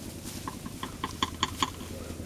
园部藩是日本江户时代的一个藩。